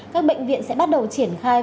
các bệnh viện sẽ bắt đầu triển khai